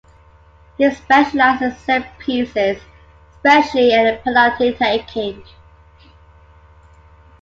He specialized in set-pieces, especially at penalty-taking.